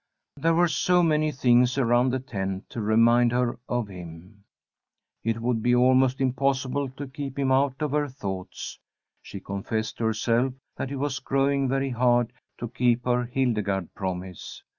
There were so many things around the tent to remind her of him, it would be almost impossible to keep him out of her thoughts. She confessed to herself that it was growing very hard to keep her Hildegarde promise.